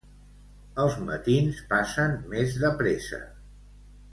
Els matins passen més de pressa